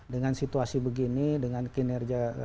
dengan situasi begini dengan kinerja